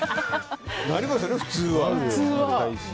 なりますよね、普通は。